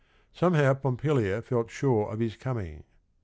Somehow Pompilia felt sure of his coming.